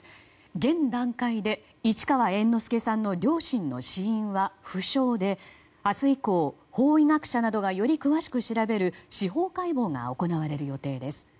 現段階で、市川猿之助さんの両親の死因は不詳で明日以降、法医学者などがより詳しく調べる司法解剖が行われる予定です。